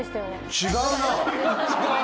違うな。